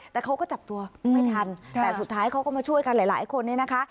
แต่เขาก็จับตัวไม่ทันแต่สุดท้ายเขาก็มาช่วยกันหลายคนเนี่ยนะคะ